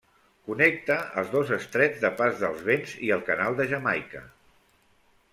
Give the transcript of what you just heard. Connecta els dos estrets de Pas dels Vents i el Canal de Jamaica.